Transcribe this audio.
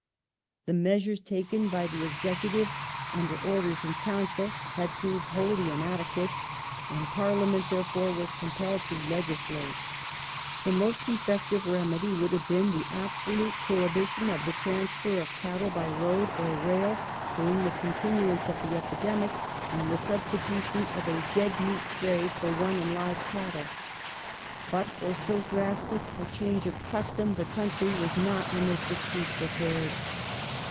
The measures taken by the executive under Orders in Council had proved wholly inadequate, and Parliament, therefore, was compelled to legislate. The most effective remedy would have been the absolute prohibition of the transfer of cattle by road or rail during the continuance of 342 *' THE LEAP IN THE DARK'' [1865 the epidemic, and the substitution of a dead meat trade for one in live cattle. But for so drastic a change of custom the country was not in the 'sixties prepared.